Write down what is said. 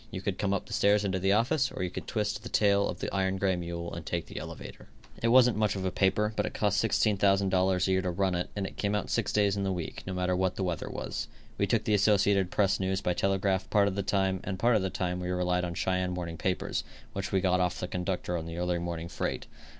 You could come up the stairs into the office or you could twist the tail of the iron gray mule and take the elevator. It wasn't much of a paper, but it cost $16,000 a year to run it, and it came out six days in the week, no matter what the weather was. We took the Associated Press news by telegraph part of the time and part of the time we relied on the Cheyenne morning papers, which we got of the conductor on the early morning freight.